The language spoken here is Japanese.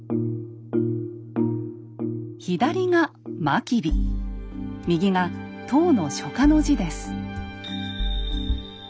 左が真備右が唐の書家の字です。